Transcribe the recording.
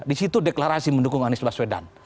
disitu deklarasi mendukung anies baswedan